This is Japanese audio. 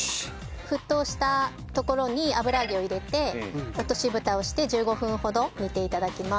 沸騰したところに油揚げを入れて落としブタをして１５分ほど煮て頂きます。